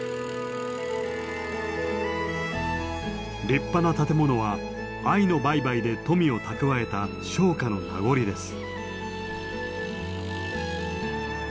立派な建物は藍の売買で富を蓄えた商家の名残です。